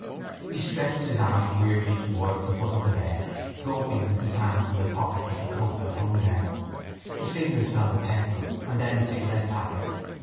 He stretched his arm wearily towards the foot of the bed, groping with his hand in the pockets of the coat that hung there. His fingers found a pencil and then a cigarette packet.